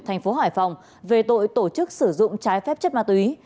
hải phòng về tội tổ chức sử dụng trái phép chất ma túy